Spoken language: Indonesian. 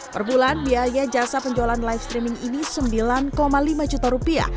per bulan biaya jasa penjualan live streaming ini sembilan lima juta rupiah